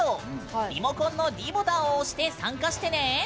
リモコンのｄボタンを押して参加してね。